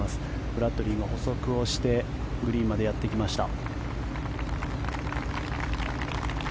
ブラッドリーが歩測をしてグリーンまでやってきました。